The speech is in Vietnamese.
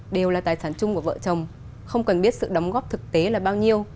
đều là tài sản chung của vợ chồng không cần biết sự đóng góp thực tế là bao nhiêu